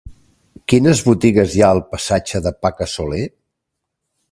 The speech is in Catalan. Quines botigues hi ha al passatge de Paca Soler?